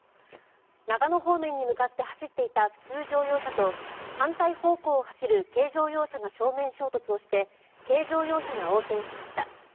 長野方面に向かって走っていた普通乗用車と反対方向を走る軽乗用車が正面衝突をして軽乗用車が横転しました。